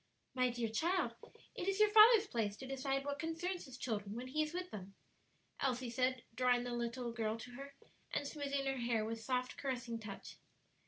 "My dear child, it is your father's place to decide what concerns his children, when he is with them," Elsie said, drawing the little girl to her and smoothing her hair with soft, caressing touch.